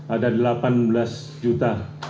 ada delapan belas juta